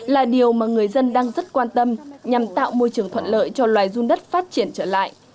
là điều mà người dân đang rất quan tâm nhằm tạo môi trường thuận lợi cho loài run đất phát triển trở lại